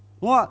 đúng không ạ